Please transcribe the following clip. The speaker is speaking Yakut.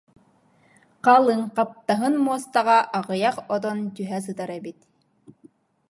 халыҥ хап- таһын муостаҕа аҕыйах отон түһэ сытар эбит